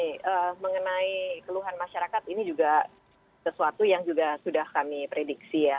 ya begini mengenai keluhan masyarakat ini juga sesuatu yang sudah kami prediksi ya